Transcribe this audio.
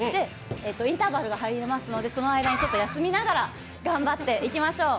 インターバルが入りますので、その間にちょっと休みながら頑張っていきましょう。